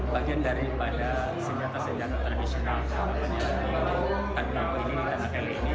bagian daripada senjata senjata tradisional yang ada di tanah kaili ini